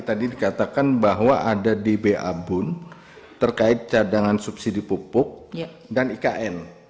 tadi dikatakan bahwa ada dbabun terkait cadangan subsidi pupuk dan ikn